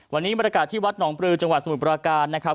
วันนี้บรรยากาศที่วัดหนองปลือจังหวัดสมุทรปราการนะครับ